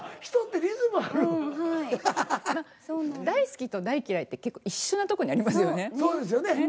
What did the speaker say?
大好きと大嫌いって結構一緒なとこにありますよね。